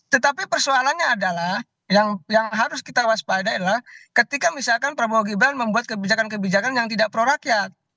tetapi persoalannya adalah yang harus kita waspada adalah ketika misalkan prabowo gibran membuat kebijakan kebijakan yang tidak pro rakyat